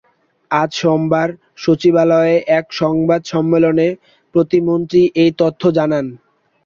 আজ সোমবার সচিবালয়ে এক সংবাদ সম্মেলনে প্রতিমন্ত্রী এই তথ্য জানান।